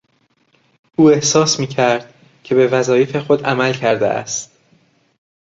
او احساس میکرد که به وظایف خود عمل کرده است.